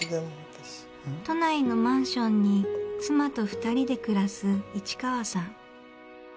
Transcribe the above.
都内のマンションに妻と２人で暮らす市川さん。